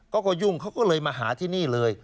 เขาก็ยุ่งเขาก็เลยมาหาที่นี่เลย